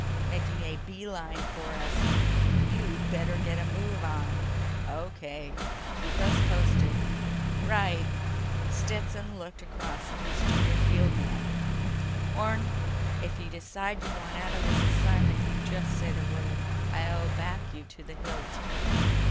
"Making a beeline for us. You better get a move on." "O.K. Keep us posted." "Right." Stetson looked across at his junior field man. "Orne, if you decide you want out of this assignment, you just say the word. I'll back you to the hilt."